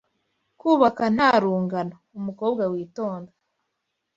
Kubaka nta rungano! --Umukobwa witonda